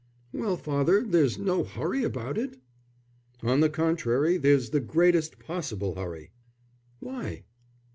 "Well, father, there's no hurry about it?" "On the contrary there's the greatest possible hurry." "Why?"